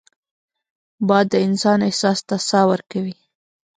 باد د انسان احساس ته ساه ورکوي